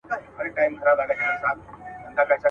عبدالباري جهاني: د مولوي له مثنوي څخه .